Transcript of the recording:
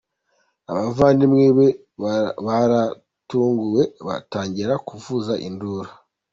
Abavandimwe be baratunguwe batangira kuvuza induru.